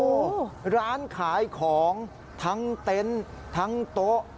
โอ้โหร้านขายของทั้งเต็นต์ทั้งโต๊ะ